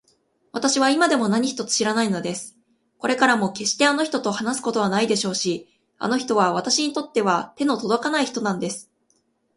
わたしは今でも何一つ知らないのです。これからもけっしてあの人と話すことはないでしょうし、あの人はわたしにとっては手のとどかない人なんです。